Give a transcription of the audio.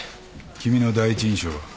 君の第一印象は？